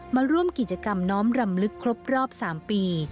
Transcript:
มาร่วมกิจกรรมน้อมรำลึกครบรอบ๓ปี